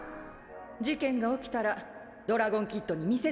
事件が起きたらドラゴンキッドに見せつけてやるのよ。